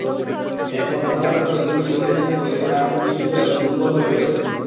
এরপর ধারাবাহিকভাবে পুলিশি অভিযানের ফলে তারা এখন নিষ্ক্রিয় এবং দুর্বল হয়ে পড়েছে।